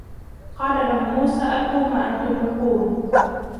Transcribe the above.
قَالَ لَهُمْ مُوسَى أَلْقُوا مَا أَنْتُمْ مُلْقُونَ